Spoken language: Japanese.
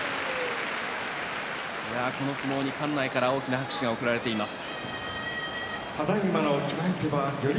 この相撲に館内から大きな拍手が送られています。